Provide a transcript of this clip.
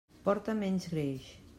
Porta menys greix.